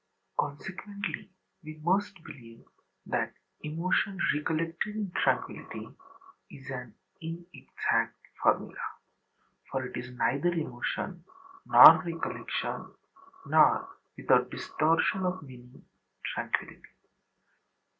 Consequently, we must believe that âemotion recollected in tranquillityâ is an inexact formula. For it is neither emotion, nor recollection, nor, without distortion of meaning, tranquillity.